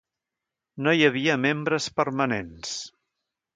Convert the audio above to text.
No hi havia membres permanents.